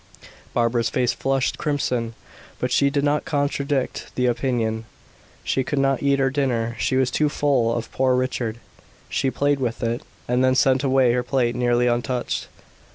Barbara's face flushed crimson, but she did not contradict the opinion. She could not eat her dinner she was too full of poor Richard; she played with it, and then sent away her plate nearly untouched.